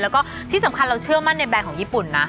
แล้วก็ที่สำคัญเราเชื่อมั่นในแบรนด์ของญี่ปุ่นนะ